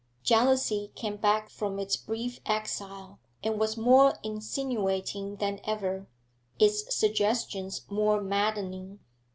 Jealousy came back from its brief exile, and was more insinuating than ever, its suggestions more maddening.